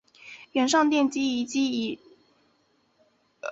原上殿地基上已建民房二幢。